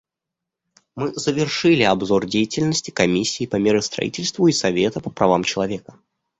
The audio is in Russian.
Мы завершили обзор деятельности Комиссии по миростроительству и Совета по правам человека.